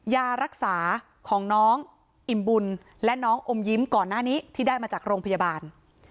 ยารักษาของน้องอิ่มบุญและน้องอมยิ้มก่อนหน้านี้ที่ได้มาจากโรงพยาบาล